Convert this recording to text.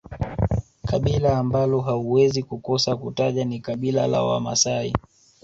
kabila ambalo hauwezi kukosa kutaja ni kabila la Wamasai